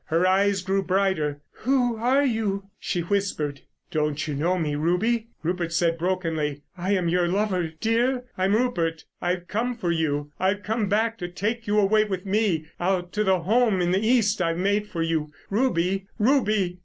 Her eyes grew brighter. "Who are you?" she whispered. "Don't you know me, Ruby?" Rupert said brokenly. "I am your lover, dear. I'm Rupert. I've come for you—I've come back to take you away with me, out to the home in the East I've made for you.... Ruby! Ruby!"